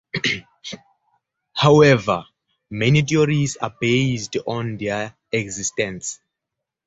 However, many theories are based on their existence.